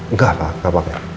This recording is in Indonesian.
enggak pak gak pake